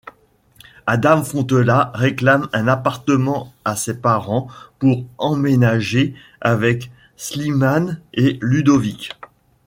Adam Fontella réclame un appartement à ses parents pour emménager avec Slimane et Ludovic.